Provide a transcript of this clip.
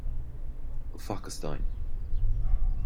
An Phacastáin